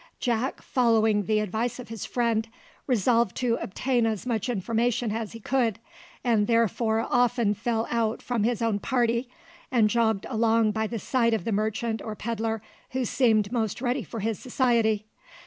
Jack, following the advice of his friend, resolved to obtain as much information as he could, and therefore often fell out from his own party, and jogged along by the side of the merchant or pedlar who seemed most ready for his society.